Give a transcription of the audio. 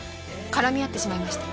絡み合ってしまいまして。